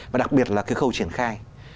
và đặc biệt là cái khâu triển khai